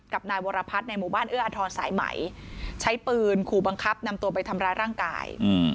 กับนายวรพัฒน์ในหมู่บ้านเอื้ออทรสายไหมใช้ปืนขู่บังคับนำตัวไปทำร้ายร่างกาย